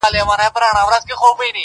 تر بچیو گوله نه سي رسولای.!